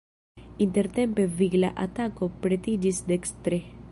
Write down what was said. Intertempe vigla atako pretiĝis dekstre.